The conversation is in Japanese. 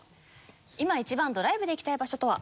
今一番ドライブで行きたい場所とは？